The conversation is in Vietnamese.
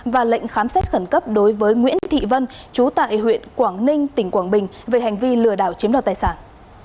và lệnh khám xét khẩn cấp đối với nguyễn thị vân chú tại huyện quảng ninh tỉnh quảng bình về hành vi lừa đảo chiếm đoạt tài sản